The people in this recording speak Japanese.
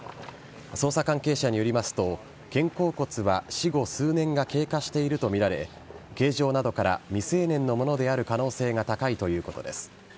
捜査関係者によりますと肩甲骨は死後数年が経過しているとみられ形状などから未成年のものである可能性が高いということです。